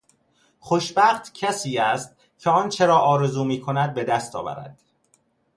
خوشبخت کسی است که آنچه را آرزو میکند بدست آورد.